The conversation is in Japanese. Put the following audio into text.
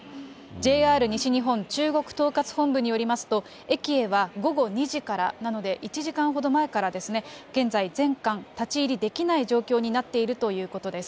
ＪＲ西日本中国統括本部によりますと、エキエは午後２時から、なので１時間ほど前からですね、現在、全館立ち入りできない状況になっているということです。